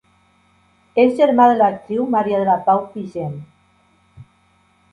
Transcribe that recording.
És germà de l'actriu Maria de la Pau Pigem.